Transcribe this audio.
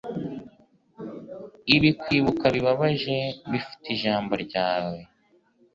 ibi kwibuka bibabaje bifite ijambo ryawe